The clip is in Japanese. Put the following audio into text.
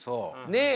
ねえ。